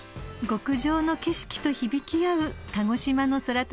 ［極上の景色と響き合う鹿児島の空旅です］